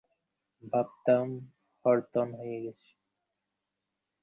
ভাবতাম, আমি হথর্ন হয়ে গিয়েছি।